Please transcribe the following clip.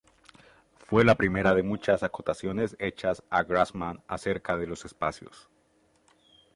Fue la primera de muchas acotaciones hechas a Grassmann acerca de los espacios.